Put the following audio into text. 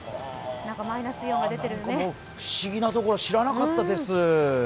不思議な所、知らなかったです。